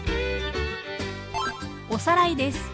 おさらいです。